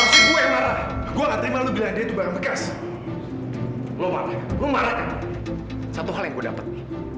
sampai jumpa di video selanjutnya